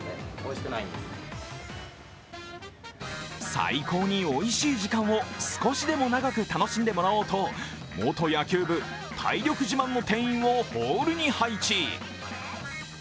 最高においしい時間を少しでも長く楽しんでもらおうと元野球部、体力自慢の店員をホールに配置。